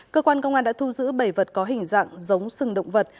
cơ quan công an đã thu giữ bảy vật có hình dạng giống sừng động vật